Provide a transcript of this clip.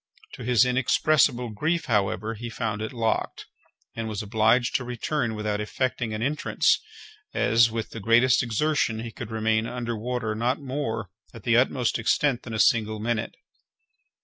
To his inexpressible grief, however, he found it locked, and was obliged to return without effecting an entrance, as, with the greatest exertion, he could remain under water not more, at the utmost extent, than a single minute.